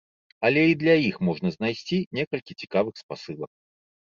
Але і для іх можна знайсці некалькі цікавых спасылак.